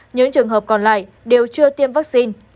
những trường hợp còn lại đều chưa tiêm vaccine